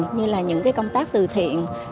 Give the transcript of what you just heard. như là những công tác từ thiện